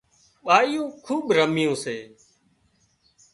ٻايون کوٻ رمي سي